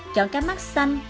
chọn cá mắt xanh